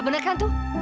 bener kan tuh